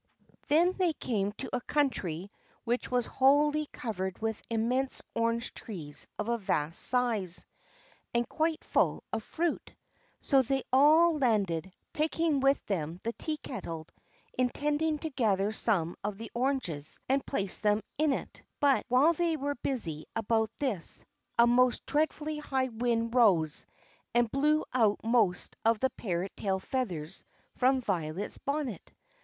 Then they came to a country which was wholly covered with immense orange trees of a vast size, and quite full of fruit. So they all landed, taking with them the tea kettle, intending to gather some of the oranges and place them in it. But, while they were busy about this, a most dreadfully high wind rose, and blew out most of the parrot tail feathers from Violet's bonnet.